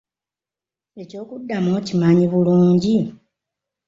Ekyokuddamu okimanyi bulungi?